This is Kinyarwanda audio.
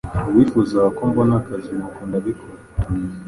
Wifuzaga ko mbona akazi, nuko ndabikora.